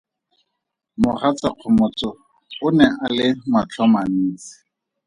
Mogatsa Kgomotso o ne a le matlhomantsi.